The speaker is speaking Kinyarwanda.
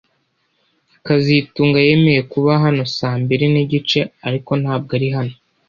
kazitunga yemeye kuba hano saa mbiri nigice ariko ntabwo ari hano